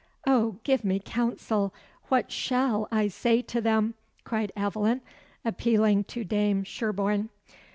"O, give me counsel! What shall I say to them?" cried Aveline, appealing to Dame Sherborne.